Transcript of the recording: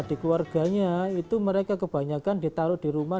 di keluarganya itu mereka kebanyakan ditaruh di rumah